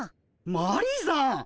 マリーさん！